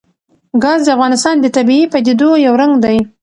ګاز د افغانستان د طبیعي پدیدو یو رنګ دی.